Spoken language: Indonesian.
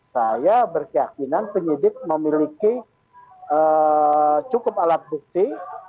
saya berkeyakinan penyidik memiliki cukup alat bukti